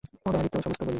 উদয়াদিত্য সমস্ত বলিলেন।